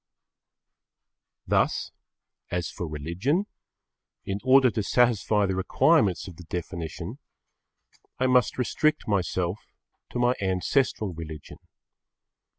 Thus, as for religion, in order to satisfy the requirements of the definition, I must restrict myself to my ancestral religion.